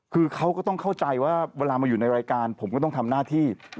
คือเขาก็ต้องเข้าใจว่าเวลามาอยู่ในรายการผมก็ต้องทำหน้าที่